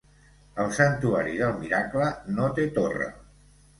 El santuari del Miracle no té torre.